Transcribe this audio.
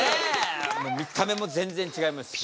見た目も全然ちがいますし。